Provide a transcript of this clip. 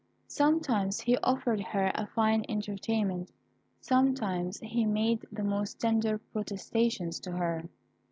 Sometimes he offered her a fine entertainment; sometimes he made the most tender protestations to her.